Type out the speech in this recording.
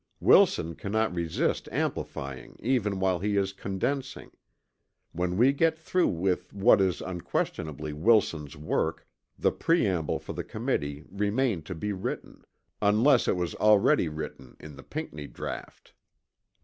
Wilson cannot resist amplifying even while he is condensing. When we get through with what is unquestionably Wilson's work, the preamble for the Committee remained to be written unless it was already written in the Pinckney draught.